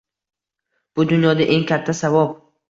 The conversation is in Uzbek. Bu dunyoda eng katta savob